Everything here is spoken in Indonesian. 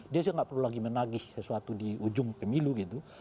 dia sih nggak perlu lagi menagih sesuatu di ujung pemilu gitu